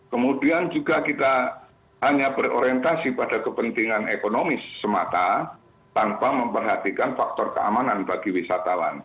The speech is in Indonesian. kemudian juga kita hanya berorientasi pada kepentingan ekonomi semata tanpa memperhatikan faktor keamanan bagi wisatawan